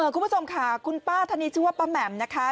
คุณผู้ชมค่ะคุณป้าท่านนี้ชื่อว่าป้าแหม่มนะคะ